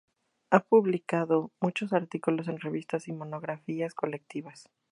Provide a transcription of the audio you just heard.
Ha publicado muchos artículos en revistas y monográficas colectivas.